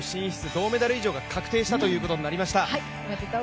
銅メダル以上が確定したということになりました。